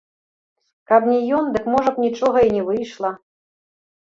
Каб не ён, дык, можа б, нічога і не выйшла.